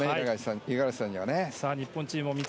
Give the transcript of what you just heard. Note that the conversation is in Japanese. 五十嵐さんには。